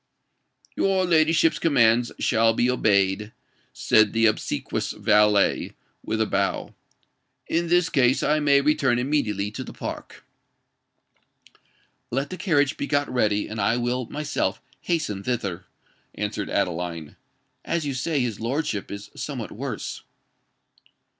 "Your ladyship's commands shall be obeyed," said the obsequious valet, with a bow. "In this case, I may return immediately to the Park." "Let the carriage be got ready, and I will myself hasten thither," answered Adeline; "as you say that his lordship is somewhat worse."